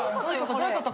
どういうこと？